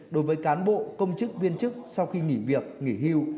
đối với cán bộ công chức viên chức sau khi nghỉ việc nghỉ hưu